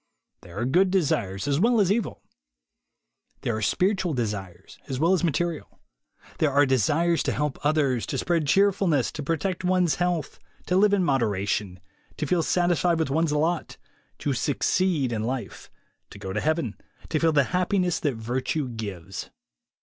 There are good desires as well as evil. There are spiritual desires as well as material. There are desires to help others, to spread cheer fulness, to protect one's health, to live in modera tion, to feel satisfied with one's lot, to "succeed'' in life, to go to Heaven, to feel the happiness that virtue gives.